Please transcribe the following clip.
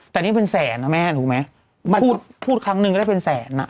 แต่นี่เป็นแสนนะแม่ถูกไหมพูดพูดครั้งหนึ่งก็ได้เป็นแสนอ่ะ